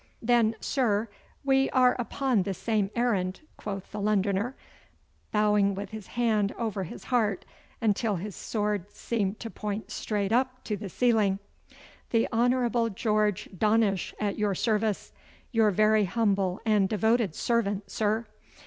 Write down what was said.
'Then, sir, we are upon the same errand,' quoth the Londoner, bowing with his hand over his heart, until his sword seemed to point straight up to the ceiling. 'The Honourable George Dawnish, at your service! Your very humble and devoted servant, sir!